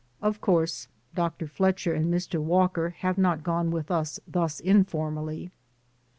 Of course. Dr. Fletcher and Mr. Walker have not gone with us thus informally.